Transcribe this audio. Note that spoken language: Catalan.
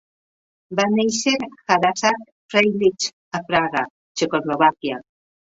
Va néixer Hadassah Freilich a Praga, Txecoslovàquia.